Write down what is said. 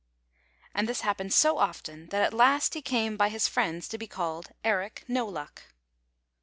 And this happened so often that at last he came by his friends to be called Eric No Luck.